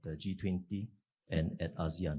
di g dua puluh dan di asean